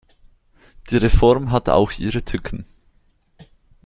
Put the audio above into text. Die Reform hat auch ihre Tücken.